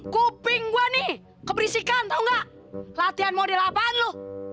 kuping gua nih keberisikan tau gak latihan model apaan lu